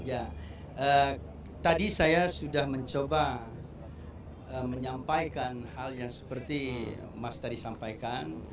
ya tadi saya sudah mencoba menyampaikan hal yang seperti mas tadi sampaikan